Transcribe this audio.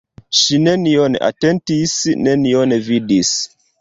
Ŝi nenion atentis, nenion vidis.